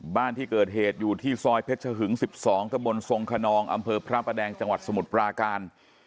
บ้านที่เกิดเหตุอยู่ที่ซอยเพชรชะหึง๑๒ตะบนทรงขนองอำเภอพระประแดงจังหวัดสมุทรปราการ